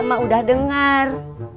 mak udah denger